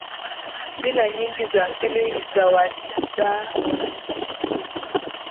Mila nyingi za asili za Wajita unaweza kuzikuta